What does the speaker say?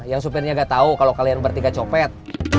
yang supirnya nggak tau kalau kalian bertiga copet